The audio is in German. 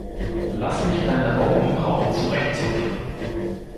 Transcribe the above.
Lass mich deine Augenbrauen zurechtzupfen.